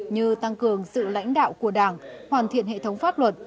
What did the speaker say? như tăng cường sự lãnh đạo của đảng hoàn thiện hệ thống pháp luật